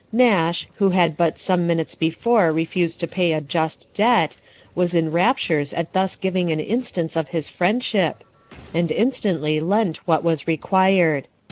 Nash, who had but some minutes before refused to pay a just debt, was in raptures at thus giving an instance of his friend ship, and instantly lent what was required.